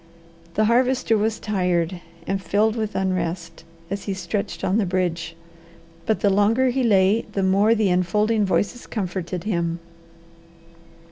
The Harvester was tired and filled with unrest as he stretched on the bridge, but the longer he lay the more the enfolding voices comforted him.